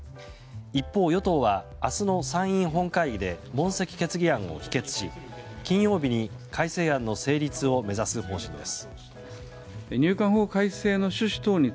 一方、与党は明日の参院本会議で問責決議案を否決し金曜日に改正案の成立を目指す方針です。